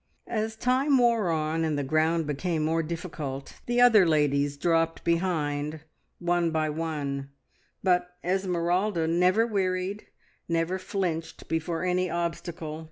As time wore on and the ground became more difficult, the other ladies dropped behind one by one, but Esmeralda never wearied, never flinched before any obstacle.